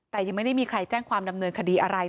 แต่ยังไม่ได้มีใครแจ้งความดำเนินคดีอะไร